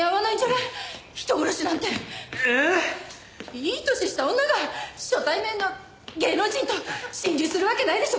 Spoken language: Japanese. いい歳した女が初対面の芸能人と心中するわけないでしょ！